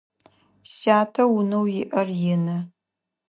Сятэ унэу иӏэр ины.